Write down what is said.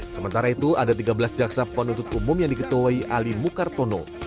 sementara itu ada tiga belas jaksa penuntut umum yang diketuai ali mukartono